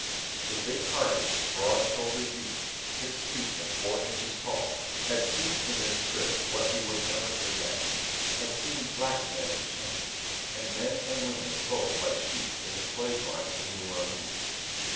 The big hearted, broad shouldered youth, six feet and four inches tall, had seen in this trip what he would never forget; had seen black men in chains, and men and women sold like sheep in the slave marts of New Orleans.